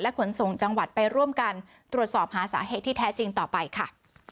ขนส่งจังหวัดไปร่วมกันตรวจสอบหาสาเหตุที่แท้จริงต่อไปค่ะ